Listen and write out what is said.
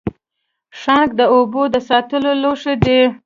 ښانک د اوبو د ساتلو لوښی دی